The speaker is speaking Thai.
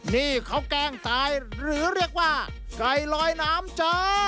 นี่เขาแกล้งตายหรือเรียกว่าไก่ลอยน้ำจ้า